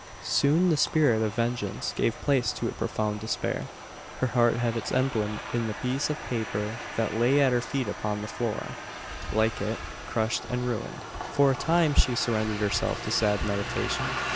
Soon the spirit of vengeance gave place to a profound despair. Her heart had its emblem in the piece of paper that lay at her feet upon the floor like it, crushed and ruined. For a time she surrendered herself to sad meditation.